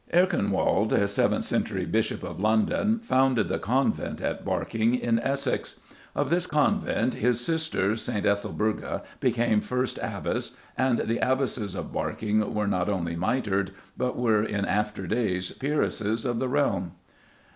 Erkenwald, a seventh century Bishop of London, founded the convent at Barking, in Essex. Of this convent his sister, St. Ethelburga, became first abbess, and the abbesses of Barking were not only mitred, but were in after days peeresses of the realm.